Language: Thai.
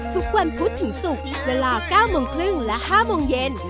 ทุกวันพุธถึงศุกร์เวลา๙โมงครึ่งและ๕โมงเย็น